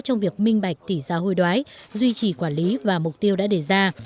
trong việc minh bạch tỷ giá hồi đoái duy trì quản lý và mục tiêu đã đề ra